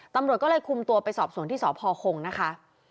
ตำรวจก็เลยคุมตัวไปสอบสวนที่สพคงนะคะ